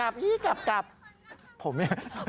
ผมน่ะลกไปเอง